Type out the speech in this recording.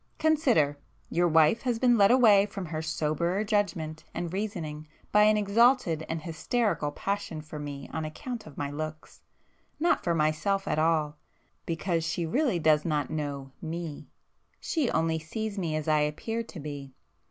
Consider!—your wife has been led away from her soberer judgment and reasoning by an exalted and hysterical passion for me on account of my looks,—not for myself at all—because she really does not know Me,—she only sees me as I appear to be.